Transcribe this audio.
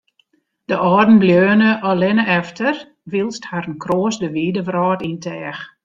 De âlden bleaune allinne efter, wylst harren kroast de wide wrâld yn teach.